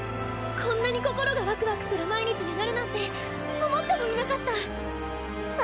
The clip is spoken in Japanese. こんなに心がワクワクする毎日になるなんて思ってもいなかった。